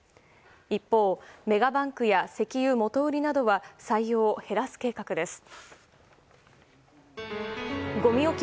一方、メガバンクや石油元売りなどは採用を減らす計画です。